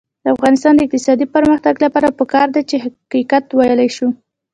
د افغانستان د اقتصادي پرمختګ لپاره پکار ده چې حقیقت وویلی شو.